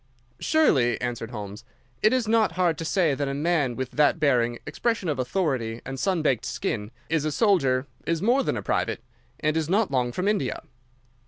"Surely," answered Holmes, "it is not hard to say that a man with that bearing, expression of authority, and sunbaked skin, is a soldier, is more than a private, and is not long from India."